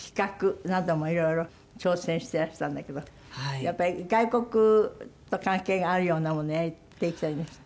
やっぱり外国と関係があるようなものをやっていきたいんですって？